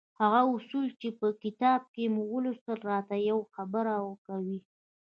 هغه اصول چې په دې کتاب کې مو ولوستل را ته يوه خبره کوي.